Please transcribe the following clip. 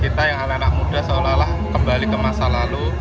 kita yang anak anak muda seolah olah kembali ke masa lalu